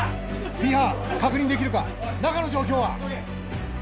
Ｂ班確認できるか中の状況は？